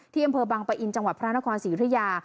อำเภอบังปะอินจังหวัดพระนครศรีอุทยา